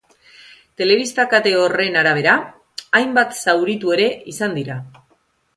Telebista kate horren arabera, hainbat zauritu ere izan dira.